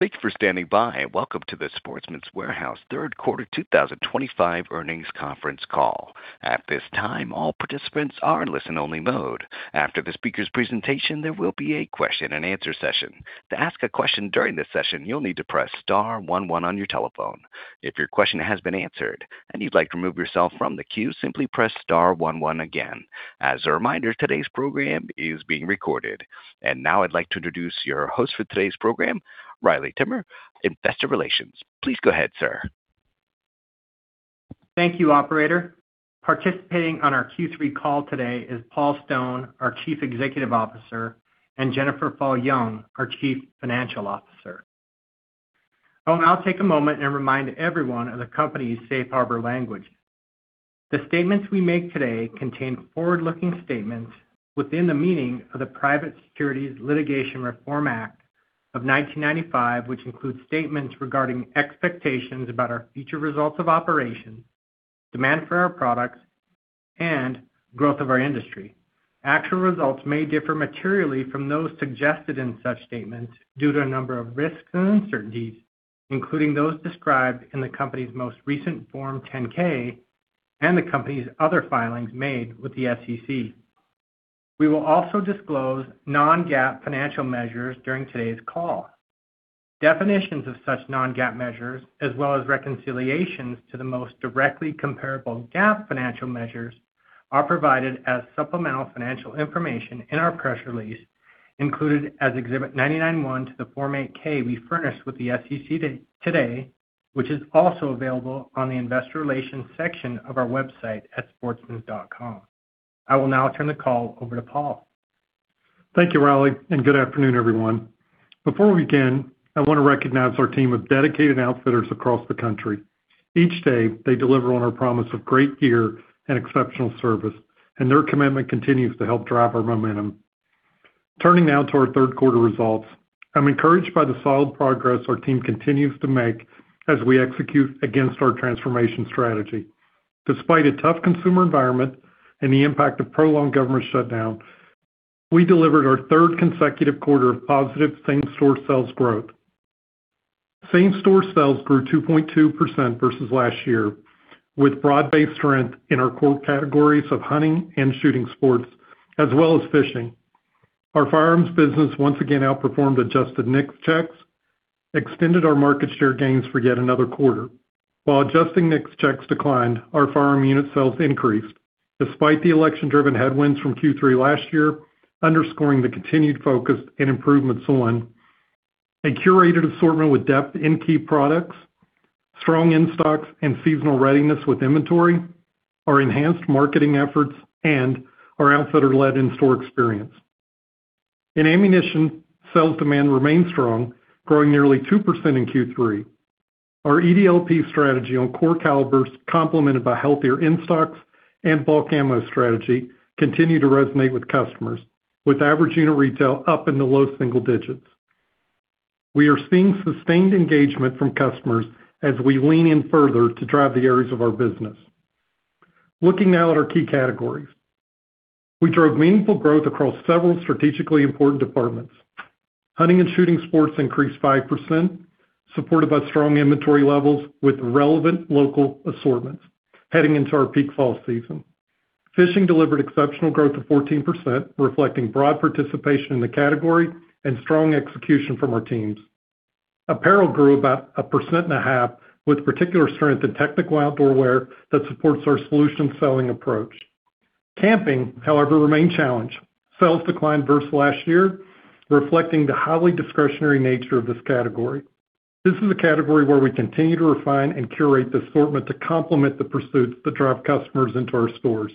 Thank you for standing by. Welcome to the Sportsman's Warehouse Third Quarter 2025 earnings conference call. At this time, all participants are in listen-only mode. After the speaker's presentation, there will be a question-and-answer session. To ask a question during this session, you'll need to press star one one on your telephone. If your question has been answered and you'd like to remove yourself from the queue, simply press star one one again. As a reminder, today's program is being recorded. And now I'd like to introduce your host for today's program, Riley Timmer, Investor Relations. Please go ahead, sir. Thank you, Operator. Participating on our Q3 call today is Paul Stone, our Chief Executive Officer, and Jennifer Fall Jung, our Chief Financial Officer. I'll take a moment and remind everyone of the company's safe harbor language. The statements we make today contain forward-looking statements within the meaning of the Private Securities Litigation Reform Act of 1995, which includes statements regarding expectations about our future results of operations, demand for our products, and growth of our industry. Actual results may differ materially from those suggested in such statements due to a number of risks and uncertainties, including those described in the company's most recent Form 10-K and the company's other filings made with the SEC. We will also disclose Non-GAAP financial measures during today's call. Definitions of such non-GAAP measures, as well as reconciliations to the most directly comparable GAAP financial measures, are provided as supplemental financial information in our press release, included as Exhibit 99.1 to the Form 8-K we furnished with the SEC today, which is also available on the Investor Relations section of our website at sportsmans.com. I will now turn the call over to Paul. Thank you, Riley, and good afternoon, everyone. Before we begin, I want to recognize our team of dedicated outfitters across the country. Each day, they deliver on our promise of great gear and exceptional service, and their commitment continues to help drive our momentum. Turning now to our third quarter results, I'm encouraged by the solid progress our team continues to make as we execute against our transformation strategy. Despite a tough consumer environment and the impact of prolonged government shutdown, we delivered our third consecutive quarter of positive same-store sales growth. Same-store sales grew 2.2% versus last year, with broad-based strength in our core categories of hunting and shooting sports, as well as fishing. Our firearms business once again outperformed adjusted NICS checks, extended our market share gains for yet another quarter. While adjusted NICS checks declined, our firearm unit sales increased. Despite the election-driven headwinds from Q3 last year, underscoring the continued focus and improvements on a curated assortment with depth in key products, strong in-stocks, and seasonal readiness with inventory, our enhanced marketing efforts, and our outfitter-led in-store experience. In ammunition, sales demand remained strong, growing nearly 2% in Q3. Our EDLP strategy on core calibers, complemented by healthier in-stocks and bulk ammo strategy, continue to resonate with customers, with average unit retail up in the low single digits. We are seeing sustained engagement from customers as we lean in further to drive the areas of our business. Looking now at our key categories, we drove meaningful growth across several strategically important departments. Hunting and shooting sports increased 5%, supported by strong inventory levels with relevant local assortments, heading into our peak fall season. Fishing delivered exceptional growth of 14%, reflecting broad participation in the category and strong execution from our teams. Apparel grew about 1.5%, with particular strength in technical outdoor wear that supports our solution selling approach. Camping, however, remained challenged. Sales declined versus last year, reflecting the highly discretionary nature of this category. This is a category where we continue to refine and curate the assortment to complement the pursuits that drive customers into our stores.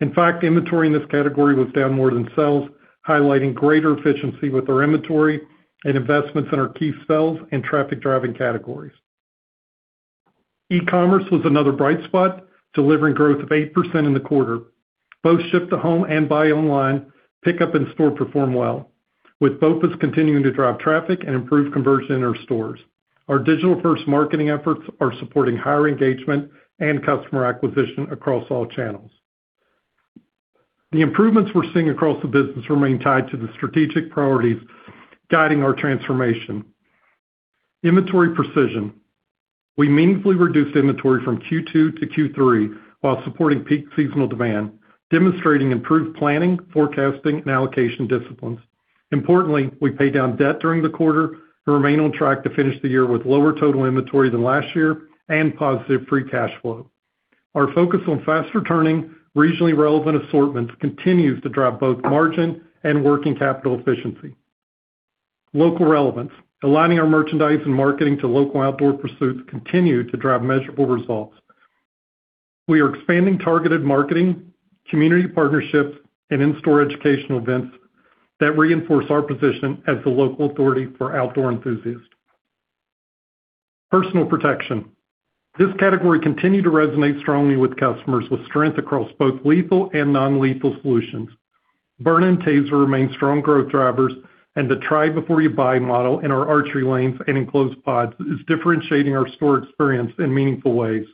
In fact, inventory in this category was down more than sales, highlighting greater efficiency with our inventory and investments in our key sales and traffic-driving categories. E-commerce was another bright spot, delivering growth of 8% in the quarter. Both ship-to-home and buy online pick up in store perform well, with both continuing to drive traffic and improve conversion in our stores. Our digital-first marketing efforts are supporting higher engagement and customer acquisition across all channels. The improvements we're seeing across the business remain tied to the strategic priorities guiding our transformation. Inventory precision. We meaningfully reduced inventory from Q2 to Q3 while supporting peak seasonal demand, demonstrating improved planning, forecasting, and allocation disciplines. Importantly, we paid down debt during the quarter and remained on track to finish the year with lower total inventory than last year and positive free cash flow. Our focus on fast-returning, regionally relevant assortments continues to drive both margin and working capital efficiency. Local relevance. Aligning our merchandise and marketing to local outdoor pursuits continued to drive measurable results. We are expanding targeted marketing, community partnerships, and in-store educational events that reinforce our position as the local authority for outdoor enthusiasts. Personal protection. This category continued to resonate strongly with customers with strength across both lethal and non-lethal solutions. Byrna and TASER remain strong growth drivers, and the try-before-you-buy model in our archery lanes and enclosed pods is differentiating our store experience in meaningful ways.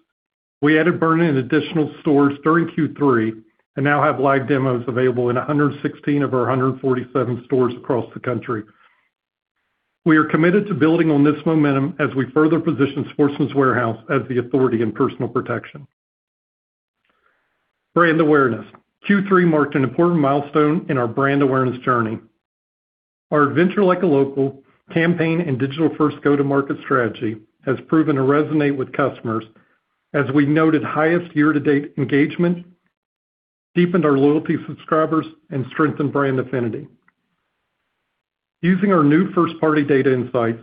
We added Byrna and additional stores during Q3 and now have live demos available in 116 of our 147 stores across the country. We are committed to building on this momentum as we further position Sportsman's Warehouse as the authority in personal protection. Brand awareness. Q3 marked an important milestone in our brand awareness journey. Our adventure-like local campaign and digital-first go-to-market strategy has proven to resonate with customers as we noted highest year-to-date engagement, deepened our loyalty subscribers, and strengthened brand affinity. Using our new first-party data insights,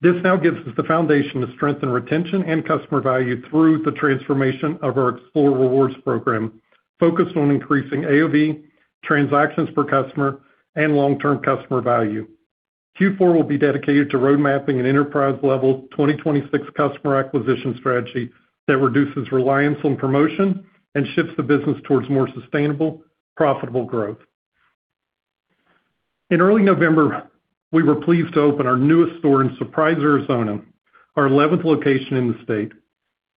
this now gives us the foundation to strengthen retention and customer value through the transformation of our Explore Rewards program, focused on increasing AOV, transactions per customer, and long-term customer value. Q4 will be dedicated to roadmapping an enterprise-level 2026 customer acquisition strategy that reduces reliance on promotion and shifts the business towards more sustainable, profitable growth. In early November, we were pleased to open our newest store in Surprise, Arizona, our 11th location in the state.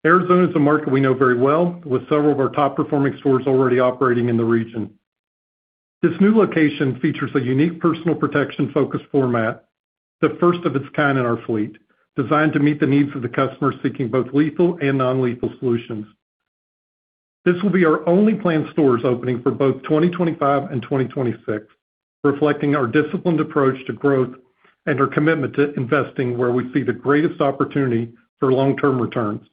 Arizona is a market we know very well, with several of our top-performing stores already operating in the region. This new location features a unique personal protection-focused format, the first of its kind in our fleet, designed to meet the needs of the customer seeking both lethal and non-lethal solutions. This will be our only planned stores opening for both 2025 and 2026, reflecting our disciplined approach to growth and our commitment to investing where we see the greatest opportunity for long-term returns.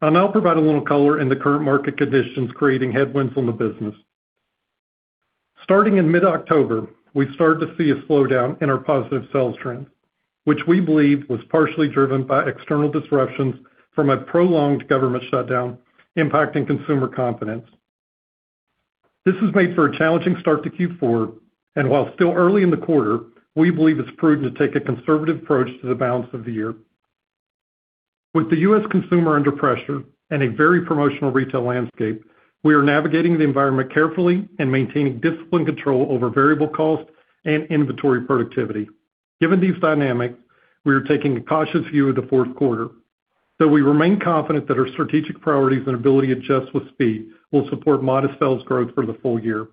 I'll now provide a little color on the current market conditions creating headwinds on the business. Starting in mid-October, we started to see a slowdown in our positive sales trends, which we believe was partially driven by external disruptions from a prolonged government shutdown impacting consumer confidence. This has made for a challenging start to Q4, and while still early in the quarter, we believe it's prudent to take a conservative approach to the balance of the year. With the U.S. consumer under pressure and a very promotional retail landscape, we are navigating the environment carefully and maintaining disciplined control over variable cost and inventory productivity. Given these dynamics, we are taking a cautious view of the fourth quarter, though we remain confident that our strategic priorities and ability to adjust with speed will support modest sales growth for the full year.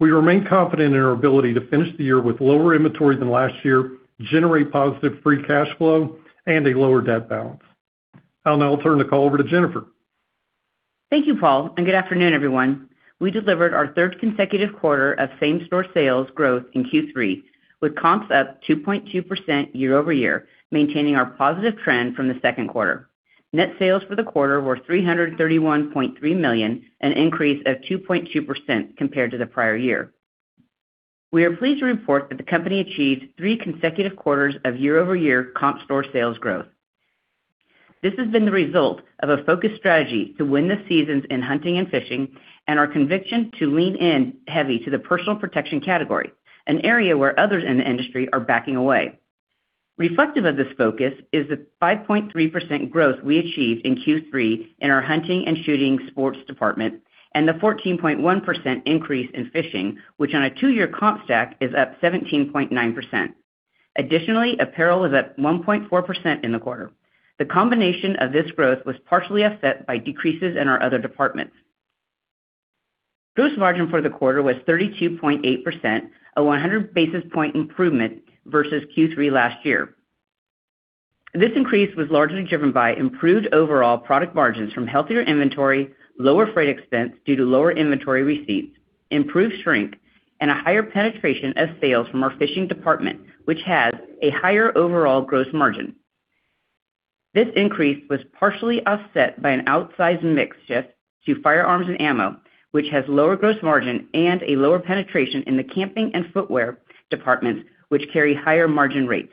We remain confident in our ability to finish the year with lower inventory than last year, generate positive free cash flow, and a lower debt balance. I'll now turn the call over to Jennifer. Thank you, Paul, and good afternoon, everyone. We delivered our third consecutive quarter of same-store sales growth in Q3, with comps up 2.2% year-over-year, maintaining our positive trend from the second quarter. Net sales for the quarter were $331.3 million, an increase of 2.2% compared to the prior year. We are pleased to report that the company achieved three consecutive quarters of year-over-year comp store sales growth. This has been the result of a focused strategy to win the seasons in hunting and fishing and our conviction to lean in heavy to the personal protection category, an area where others in the industry are backing away. Reflective of this focus is the 5.3% growth we achieved in Q3 in our hunting and shooting sports department and the 14.1% increase in fishing, which on a two-year comp stack is up 17.9%. Additionally, apparel was up 1.4% in the quarter. The combination of this growth was partially offset by decreases in our other departments. Gross margin for the quarter was 32.8%, a 100 basis point improvement versus Q3 last year. This increase was largely driven by improved overall product margins from healthier inventory, lower freight expense due to lower inventory receipts, improved shrink, and a higher penetration of sales from our fishing department, which has a higher overall gross margin. This increase was partially offset by an outsized mix shift to firearms and ammo, which has lower gross margin and a lower penetration in the camping and footwear departments, which carry higher margin rates.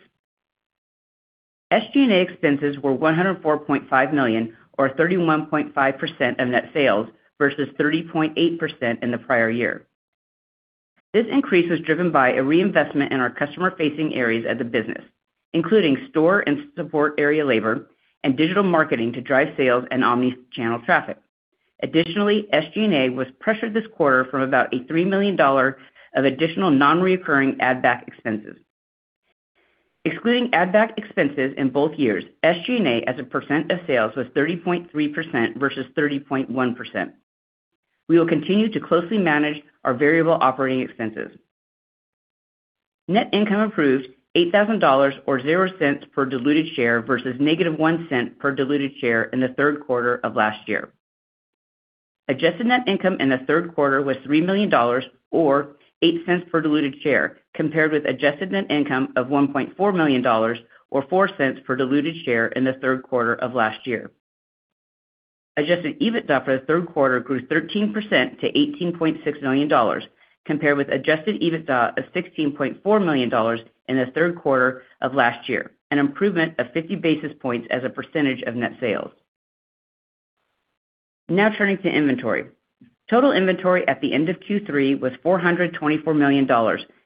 SG&A expenses were $104.5 million, or 31.5% of net sales, versus 30.8% in the prior year. This increase was driven by a reinvestment in our customer-facing areas of the business, including store and support area labor and digital marketing to drive sales and omnichannel traffic. Additionally, SG&A was pressured this quarter from about a $3 million of additional non-recurring add-back expenses. Excluding add-back expenses in both years, SG&A as a % of sales was 30.3% versus 30.1%. We will continue to closely manage our variable operating expenses. Net income improved $8,000 or $0.00 per diluted share versus -$0.01 per diluted share in the third quarter of last year. Adjusted net income in the third quarter was $3 million, or $0.08 per diluted share, compared with adjusted net income of $1.4 million, or $0.04 per diluted share in the third quarter of last year. Adjusted EBITDA for the third quarter grew 13% to $18.6 million, compared with adjusted EBITDA of $16.4 million in the third quarter of last year, an improvement of 50 basis points as a percentage of net sales. Now turning to inventory. Total inventory at the end of Q3 was $424 million,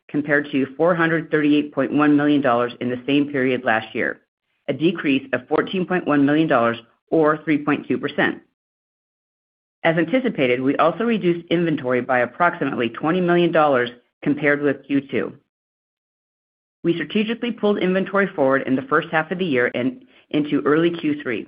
compared to $438.1 million in the same period last year, a decrease of $14.1 million, or 3.2%. As anticipated, we also reduced inventory by approximately $20 million compared with Q2. We strategically pulled inventory forward in the first half of the year into early Q3.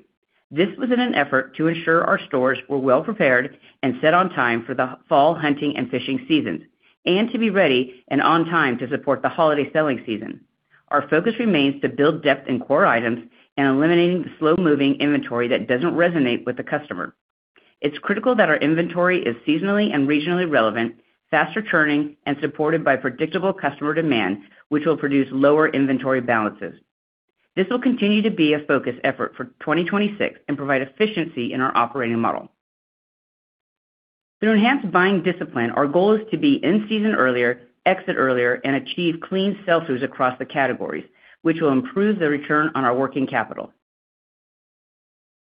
This was in an effort to ensure our stores were well prepared and set on time for the fall hunting and fishing seasons and to be ready and on time to support the holiday selling season. Our focus remains to build depth in core items and eliminating the slow-moving inventory that doesn't resonate with the customer. It's critical that our inventory is seasonally and regionally relevant, fast-returning, and supported by predictable customer demand, which will produce lower inventory balances. This will continue to be a focus effort for 2026 and provide efficiency in our operating model. To enhance buying discipline, our goal is to be in season earlier, exit earlier, and achieve clean sell-throughs across the categories, which will improve the return on our working capital.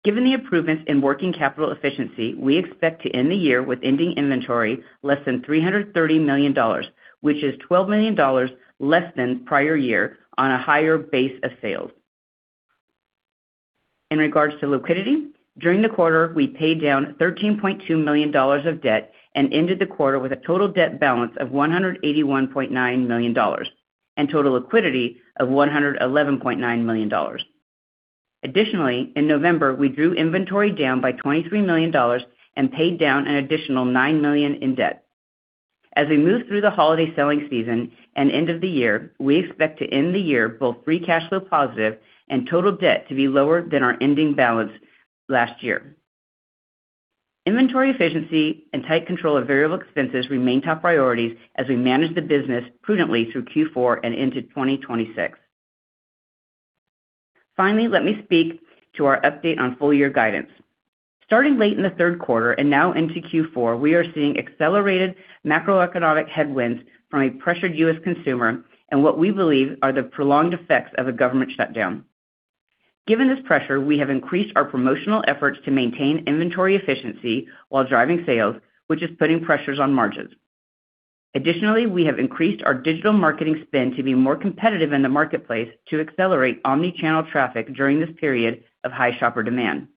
Given the improvements in working capital efficiency, we expect to end the year with ending inventory less than $330 million, which is $12 million less than prior year on a higher base of sales. In regards to liquidity, during the quarter, we paid down $13.2 million of debt and ended the quarter with a total debt balance of $181.9 million and total liquidity of $111.9 million. Additionally, in November, we drew inventory down by $23 million and paid down an additional $9 million in debt. As we move through the holiday selling season and end of the year, we expect to end the year both free cash flow positive and total debt to be lower than our ending balance last year. Inventory efficiency and tight control of variable expenses remain top priorities as we manage the business prudently through Q4 and into 2026. Finally, let me speak to our update on full-year guidance. Starting late in the third quarter and now into Q4, we are seeing accelerated macroeconomic headwinds from a pressured U.S. consumer and what we believe are the prolonged effects of a government shutdown. Given this pressure, we have increased our promotional efforts to maintain inventory efficiency while driving sales, which is putting pressures on margins. Additionally, we have increased our digital marketing spend to be more competitive in the marketplace to accelerate omnichannel traffic during this period of high shopper demand.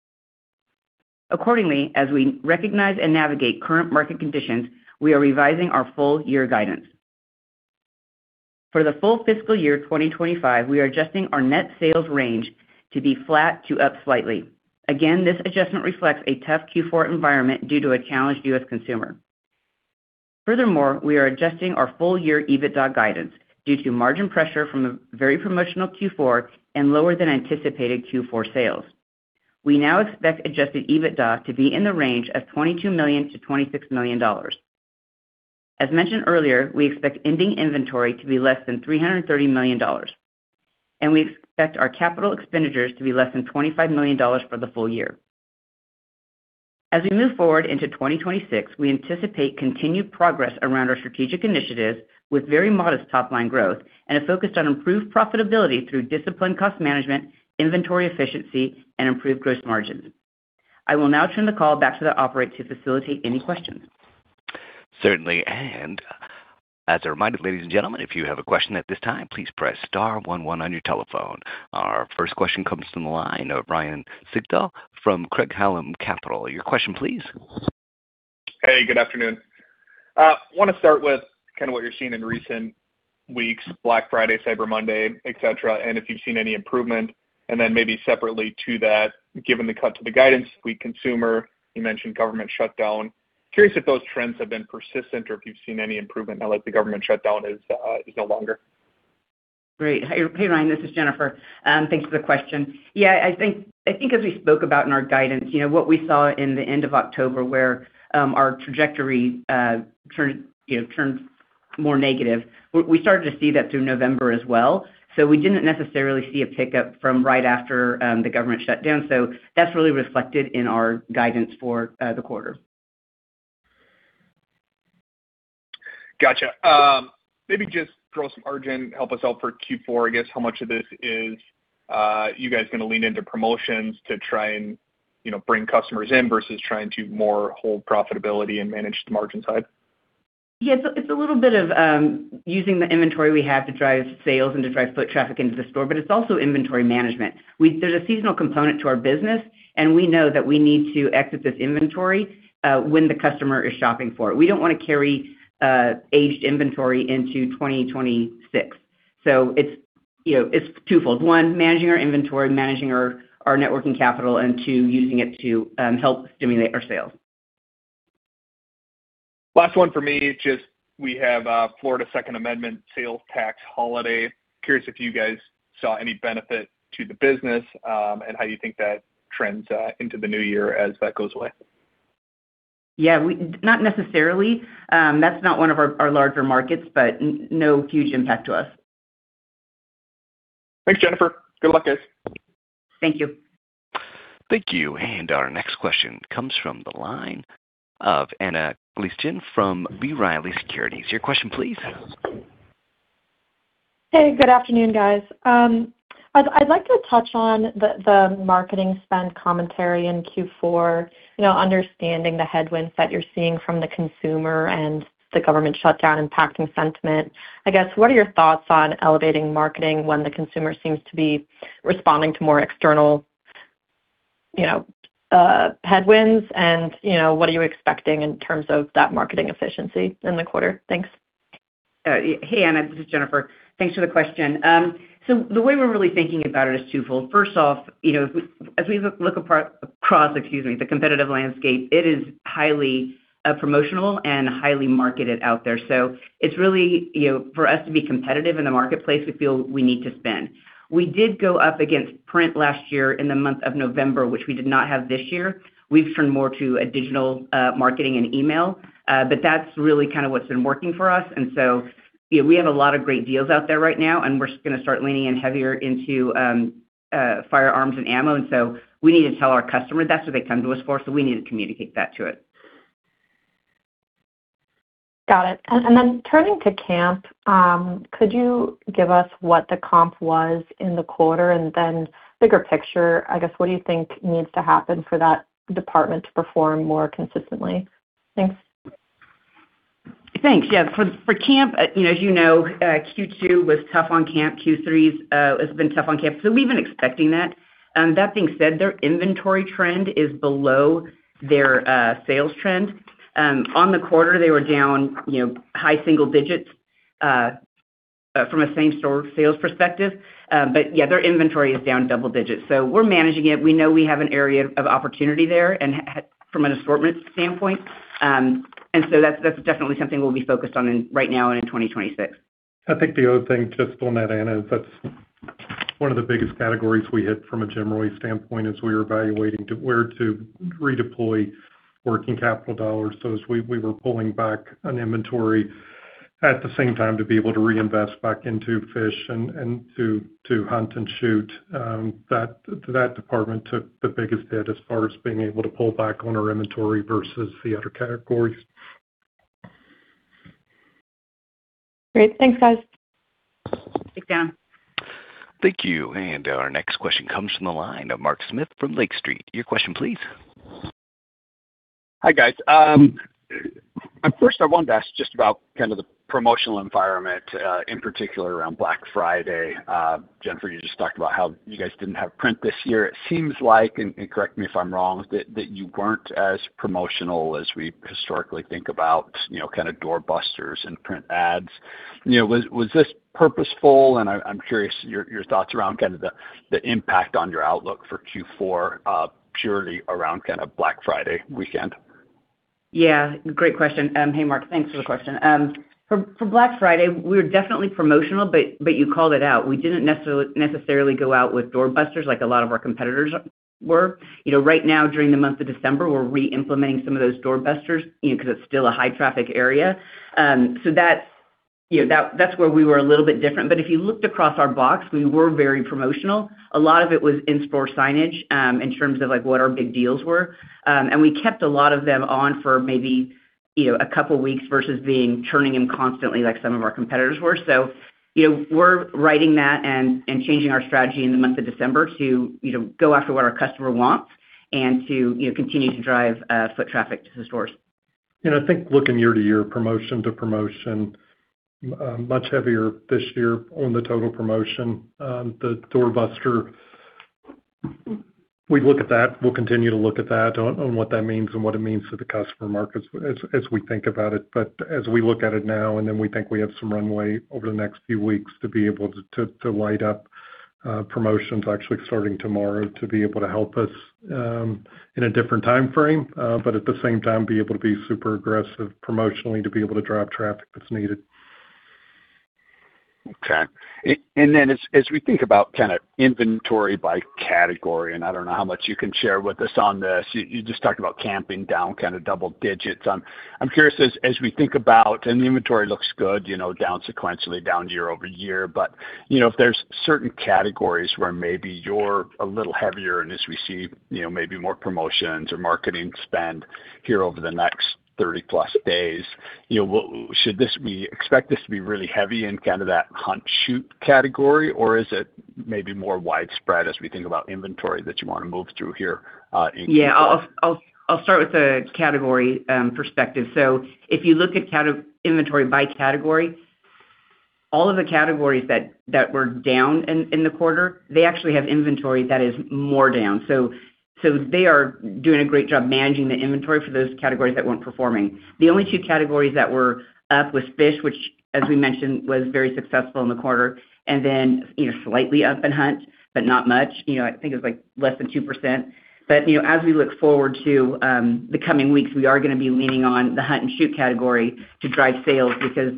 Accordingly, as we recognize and navigate current market conditions, we are revising our full-year guidance. For the full fiscal year 2025, we are adjusting our net sales range to be flat to up slightly. Again, this adjustment reflects a tough Q4 environment due to a challenged U.S. consumer. Furthermore, we are adjusting our full-year EBITDA guidance due to margin pressure from the very promotional Q4 and lower-than-anticipated Q4 sales. We now expect adjusted EBITDA to be in the range of $22 million-$26 million. As mentioned earlier, we expect ending inventory to be less than $330 million, and we expect our capital expenditures to be less than $25 million for the full year. As we move forward into 2026, we anticipate continued progress around our strategic initiatives with very modest top-line growth and a focus on improved profitability through disciplined cost management, inventory efficiency, and improved gross margins. I will now turn the call back to the operator to facilitate any questions. Certainly, and as a reminder, ladies and gentlemen, if you have a question at this time, please press star one one on your telephone. Our first question comes from the line of Ryan Sigdahl from Craig-Hallum Capital. Your question, please. Hey, good afternoon. I want to start with kind of what you're seeing in recent weeks: Black Friday, Cyber Monday, etc., and if you've seen any improvement? And then maybe separately to that, given the cut to the guidance, weak consumer, you mentioned government shutdown. Curious if those trends have been persistent or if you've seen any improvement now that the government shutdown is no longer? Great. Hey, Ryan, this is Jennifer. Thanks for the question. Yeah, I think as we spoke about in our guidance, what we saw in the end of October where our trajectory turned more negative, we started to see that through November as well. So we didn't necessarily see a pickup from right after the government shutdown. So that's really reflected in our guidance for the quarter. Gotcha. Maybe just throw some margin, help us out for Q4. I guess how much of this is you guys going to lean into promotions to try and bring customers in versus trying to more hold profitability and manage the margin side? Yeah, it's a little bit of using the inventory we have to drive sales and to drive foot traffic into the store, but it's also inventory management. There's a seasonal component to our business, and we know that we need to exit this inventory when the customer is shopping for it. We don't want to carry aged inventory into 2026. So it's twofold: one, managing our inventory, managing our working capital, and two, using it to help stimulate our sales. Last one for me, just we have Florida Second Amendment Sales Tax Holiday. Curious if you guys saw any benefit to the business and how you think that trends into the new year as that goes away. Yeah, not necessarily. That's not one of our larger markets, but no huge impact to us. Thanks, Jennifer. Good luck, guys. Thank you. Thank you. And our next question comes from the line of Anna Glaessgen from B. Riley Securities. Your question, please. Hey, good afternoon, guys. I'd like to touch on the marketing spend commentary in Q4, understanding the headwinds that you're seeing from the consumer and the government shutdown impacting sentiment. I guess, what are your thoughts on elevating marketing when the consumer seems to be responding to more external headwinds? And what are you expecting in terms of that marketing efficiency in the quarter? Thanks. Hey, Anna, this is Jennifer. Thanks for the question. So the way we're really thinking about it is twofold. First off, as we look across, excuse me, the competitive landscape, it is highly promotional and highly marketed out there. So it's really, for us to be competitive in the marketplace, we feel we need to spend. We did go up against print last year in the month of November, which we did not have this year. We've turned more to a digital marketing and email, but that's really kind of what's been working for us. And so we have a lot of great deals out there right now, and we're going to start leaning in heavier into firearms and ammo. And so we need to tell our customer that's what they come to us for, so we need to communicate that to it. Got it. And then turning to camp, could you give us what the comp was in the quarter and then bigger picture, I guess, what do you think needs to happen for that department to perform more consistently? Thanks. Thanks. Yeah, for camp, as you know, Q2 was tough on camp. Q3 has been tough on camp. So we've been expecting that. That being said, their inventory trend is below their sales trend. On the quarter, they were down high single digits from a same-store sales perspective. But yeah, their inventory is down double digits. So we're managing it. We know we have an area of opportunity there from an assortment standpoint. And so that's definitely something we'll be focused on right now and in 2026. I think the other thing to explain that, Anna, is that's one of the biggest categories we hit from a general standpoint as we were evaluating where to redeploy working capital dollars. So as we were pulling back on inventory at the same time to be able to reinvest back into fish and to hunt and shoot, that department took the biggest hit as far as being able to pull back on our inventory versus the other categories. Great. Thanks, guys. Thanks, Anna. Thank you. And our next question comes from the line of Mark Smith from Lake Street. Your question, please. Hi, guys. First, I wanted to ask just about kind of the promotional environment in particular around Black Friday. Jennifer, you just talked about how you guys didn't have print this year. It seems like, and correct me if I'm wrong, that you weren't as promotional as we historically think about kind of doorbusters and print ads. Was this purposeful? And I'm curious your thoughts around kind of the impact on your outlook for Q4 purely around kind of Black Friday weekend? Yeah, great question. Hey, Mark, thanks for the question. For Black Friday, we were definitely promotional, but you called it out. We didn't necessarily go out with doorbusters like a lot of our competitors were. Right now, during the month of December, we're re-implementing some of those doorbusters because it's still a high-traffic area. So that's where we were a little bit different. But if you looked across our box, we were very promotional. A lot of it was in-store signage in terms of what our big deals were. And we kept a lot of them on for maybe a couple of weeks versus turning them constantly like some of our competitors were. So we're righting that and changing our strategy in the month of December to go after what our customer wants and to continue to drive foot traffic to the stores. And I think looking year-to-year, promotion to promotion, much heavier this year on the total promotion. The doorbuster, we look at that. We'll continue to look at that on what that means and what it means to the customer markets as we think about it. But as we look at it now, and then we think we have some runway over the next few weeks to be able to light up promotions actually starting tomorrow to be able to help us in a different time frame, but at the same time, be able to be super aggressive promotionally to be able to drive traffic that's needed. Okay. And then as we think about kind of inventory by category, and I don't know how much you can share with us on this. You just talked about camping down kind of double digits. I'm curious, as we think about, and the inventory looks good down sequentially down year over year, but if there's certain categories where maybe you're a little heavier and as we see maybe more promotions or marketing spend here over the next 30-plus days, should we expect this to be really heavy in kind of that hunt-shoot category, or is it maybe more widespread as we think about inventory that you want to move through here in Q4? Yeah, I'll start with the category perspective. So if you look at inventory by category, all of the categories that were down in the quarter, they actually have inventory that is more down. So they are doing a great job managing the inventory for those categories that weren't performing. The only two categories that were up was fish, which, as we mentioned, was very successful in the quarter, and then slightly up in hunt, but not much. I think it was less than 2%. But as we look forward to the coming weeks, we are going to be leaning on the hunt and shoot category to drive sales because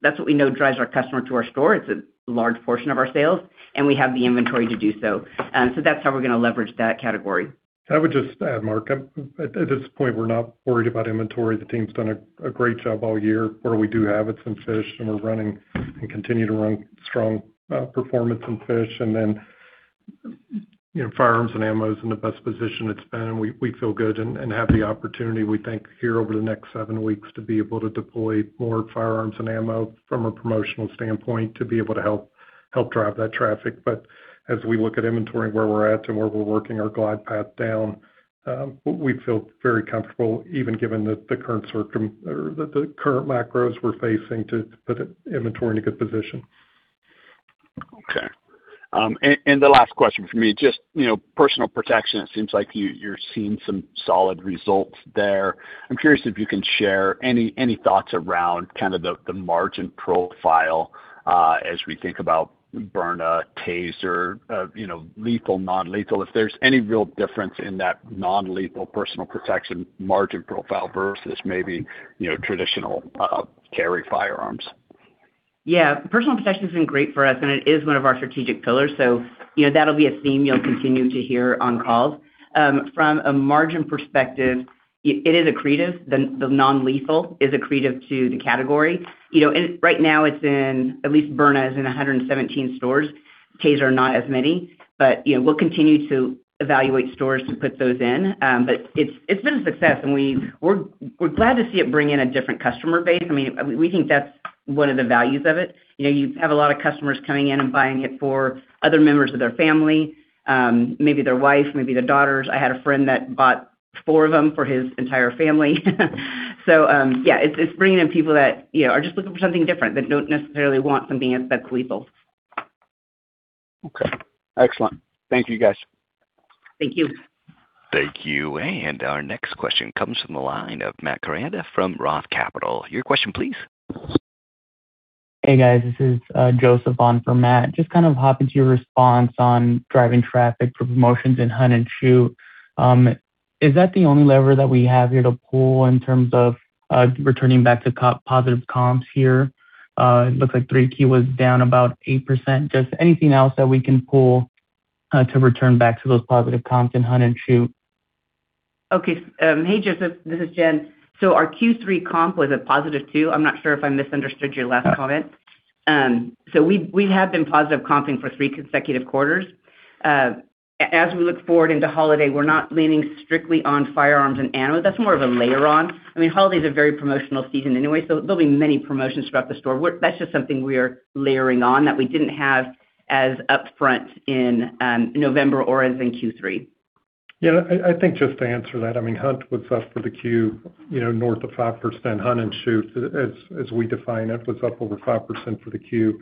that's what we know drives our customer to our store. It's a large portion of our sales, and we have the inventory to do so. So that's how we're going to leverage that category. I would just add, Mark, at this point, we're not worried about inventory. The team's done a great job all year. Where we do have it's in fish, and we're running and continue to run strong performance in fish. And then firearms and ammo is in the best position it's been, and we feel good and have the opportunity, we think, here over the next seven weeks to be able to deploy more firearms and ammo from a promotional standpoint to be able to help drive that traffic. But as we look at inventory, where we're at and where we're working our glide path down, we feel very comfortable, even given the current macros we're facing, to put inventory in a good position. Okay. And the last question for me, just personal protection. It seems like you're seeing some solid results there. I'm curious if you can share any thoughts around kind of the margin profile as we think about Byrna, TASER, lethal, non-lethal, if there's any real difference in that non-lethal personal protection margin profile versus maybe traditional carry firearms? Yeah, personal protection has been great for us, and it is one of our strategic pillars. So that'll be a theme you'll continue to hear on calls. From a margin perspective, it is accretive. The non-lethal is accretive to the category. Right now, at least Byrna is in 117 stores. TASER are not as many. But we'll continue to evaluate stores to put those in. But it's been a success, and we're glad to see it bring in a different customer base. I mean, we think that's one of the values of it. You have a lot of customers coming in and buying it for other members of their family, maybe their wife, maybe their daughters. I had a friend that bought four of them for his entire family. So yeah, it's bringing in people that are just looking for something different, that don't necessarily want something that's lethal. Okay. Excellent. Thank you, guys. Thank you. Thank you. And our next question comes from the line of Matt Koranda from ROTH Capital. Your question, please. Hey, guys. This is Joseph on for Matt. Just kind of jumping to your response on driving traffic for promotions and hunt and shoot. Is that the only lever that we have here to pull in terms of returning back to positive comps here? It looks like 3Q was down about 8%. Just anything else that we can pull to return back to those positive comps and hunt and shoot? Okay. Hey, Joseph. This is Jen. Our Q3 comp was a positive 2%. I'm not sure if I misunderstood your last comment. We have been positive comping for three consecutive quarters. As we look forward into holiday, we're not leaning strictly on firearms and ammo. That's more of a layer on. I mean, holidays are a very promotional season anyway, so there'll be many promotions throughout the store. That's just something we are layering on that we didn't have as upfront in November or as in Q3. Yeah, I think just to answer that, I mean, hunting was up for the Q north of 5%. Hunting and shooting, as we define it, was up over 5% for the Q.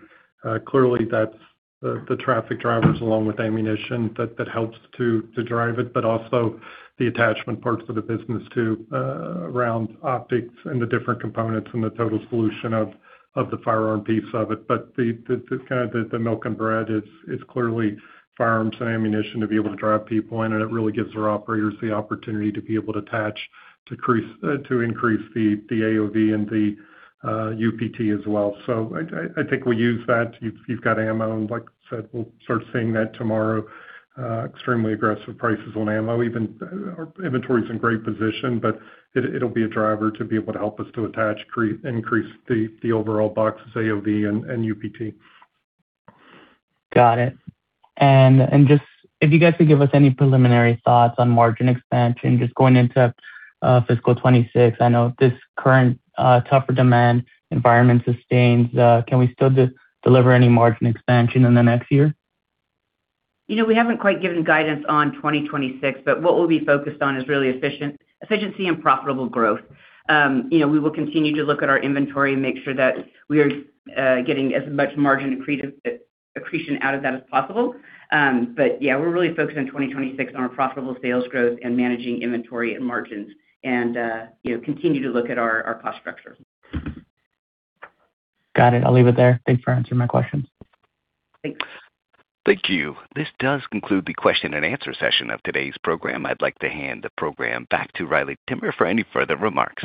Clearly, that's the traffic drivers along with ammunition that helps to drive it, but also the attachment parts of the business too around optics and the different components and the total solution of the firearm piece of it. But kind of the milk and bread is clearly firearms and ammunition to be able to drive people in, and it really gives our operators the opportunity to be able to attach to increase the AOV and the UPT as well. So I think we use that. You've got ammo. And like I said, we'll start seeing that tomorrow. Extremely aggressive prices on ammo. Inventory is in great position, but it'll be a driver to be able to help us to attach, increase the overall box's AOV and UPT. Got it. Just if you guys could give us any preliminary thoughts on margin expansion, just going into fiscal 2026. I know this current tougher demand environment sustains. Can we still deliver any margin expansion in the next year? We haven't quite given guidance on 2026, but what we'll be focused on is really efficiency and profitable growth. We will continue to look at our inventory and make sure that we are getting as much margin accretion out of that as possible. But yeah, we're really focused on 2026 on our profitable sales growth and managing inventory and margins and continue to look at our cost structure. Got it. I'll leave it there. Thanks for answering my questions. Thanks. Thank you. This does conclude the question and answer session of today's program. I'd like to hand the program back to Riley Timmer for any further remarks.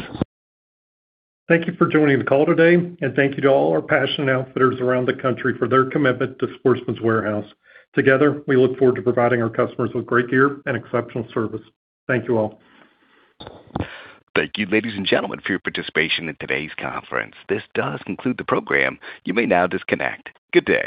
Thank you for joining the call today, and thank you to all our passionate outfitters around the country for their commitment to Sportsman's Warehouse. Together, we look forward to providing our customers with great gear and exceptional service. Thank you all. Thank you, ladies and gentlemen, for your participation in today's conference. This does conclude the program. You may now disconnect. Good day.